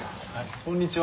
こんにちは。